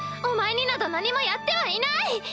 お前になど何もやってはいない！